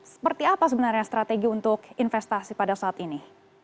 seperti apa sebenarnya strategi untuk investasi pada saat ini